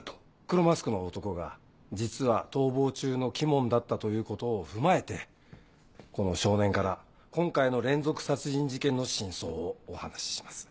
黒マスクの男が実は逃亡中の鬼門だったということを踏まえてこの少年から今回の連続殺人事件の真相をお話しします。